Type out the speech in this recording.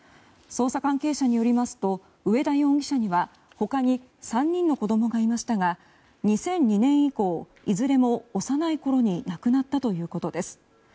捜査関係者によりますと上田容疑者にはほかに３人の子どもがいましたが２００２年以降いずれも幼い頃に亡くなったということです。